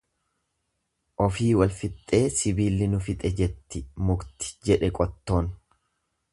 Ofii wal fixxee sibiilli nu fixe jette mukti jedhe qottoon.